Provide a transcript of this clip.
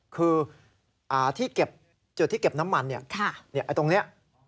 คือที่เก็บจุดที่เก็บน้ำมันตรงนี้